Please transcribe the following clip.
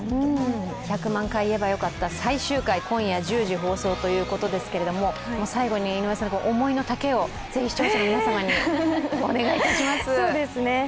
「１００万回言えばよかった」最終回今夜１０時放送ということですけれども、最後に思いの丈をぜひ視聴者の皆様にお願いします。